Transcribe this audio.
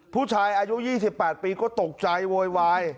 ผู้ชายอายุ๒๘ปีก็ตกใจโวยวาย